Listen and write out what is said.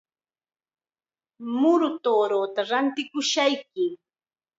Muru tuuruuta rantikushayki.